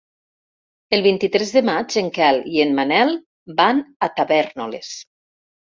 El vint-i-tres de maig en Quel i en Manel van a Tavèrnoles.